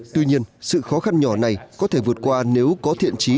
tuy nhiên sự khó khăn nhỏ này có thể vượt qua nếu có thiện trí